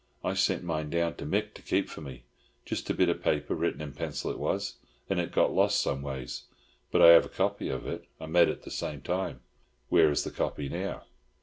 "I sint mine down to Mick to keep for me—jist a bit of paper written in pencil it was—and it got lost some ways; but I have a copy of it I med at the time." "Where is the copy now?"